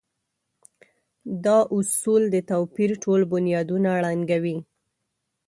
دا اصول د توپير ټول بنيادونه ړنګوي.